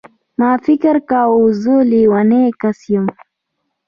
ما فکر کاوه زه لومړنی کس یم.